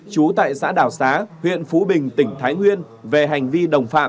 chú tại xã đảo xá huyện phú bình tỉnh thái nguyên về hành vi đồng phạm